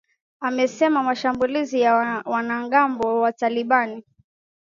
amesema mashambulizi ya wanamgambo wa taliban